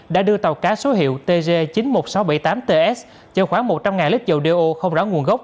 đã đưa tàu cá số hiệu tg chín mươi một nghìn sáu trăm bảy mươi tám ts cho khoảng một trăm linh ngàn lít dầu đeo ô không ráo nguồn gốc